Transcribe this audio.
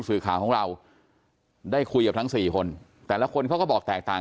สื่อข่าวของเราได้คุยกับทั้งสี่คนแต่ละคนเขาก็บอกแตกต่าง